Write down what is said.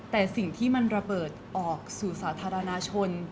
แต่สิ่งที่มันระเบิดออกสู่สาธารณชน